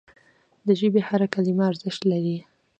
د ژبي هره کلمه ارزښت لري.